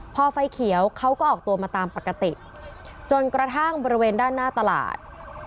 พอไฟเขียวเขาก็ออกตัวมาตามปกติจนกระทั่งบริเวณด้านหน้าตลาด